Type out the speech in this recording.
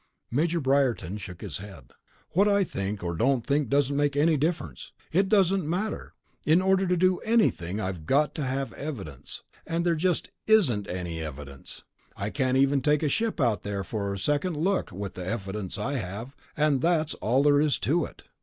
Major Briarton shook his head. "What I think or don't think doesn't make any difference. It just doesn't matter. In order to do anything, I've got to have evidence, and there just isn't any evidence. I can't even take a ship out there for a second look, with the evidence I have, and that's all there is to it."